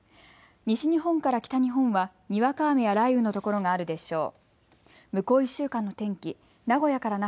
西日本から北日本はにわか雨や雷雨の所があるでしょう。